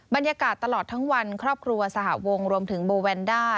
บรรยากาศตลอดทั้งวันครอบครัวสหวงรวมถึงโบแวนด้า